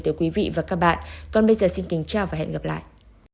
từ quý vị và các bạn còn bây giờ xin kính chào và hẹn gặp lại